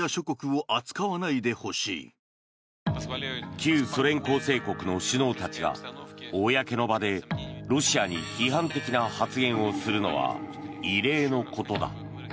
旧ソ連構成国の首脳たちが公の場でロシアに批判的な発言をするのは異例のことだ。